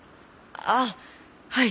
ああはい。